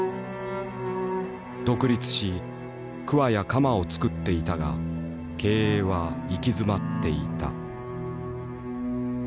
独立しくわや鎌を作っていたが経営は行き詰まっていた。